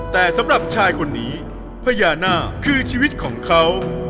แต่สำหรับชายคนนี้พญานาคคือชีวิตของเขา